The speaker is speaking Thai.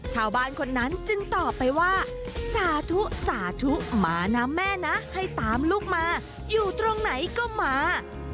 ชาวบ้านคนนั้นจึงตอบไปว่าสาธุสาธุมานะแม่นะให้ตามลูกมาอยู่ตรงไหนก็มา